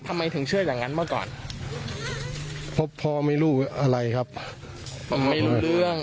ทำไมถึงเชื่ออย่างนั้นมาก่อนเพราะพ่อไม่รู้อะไรครับไม่รู้เรื่อง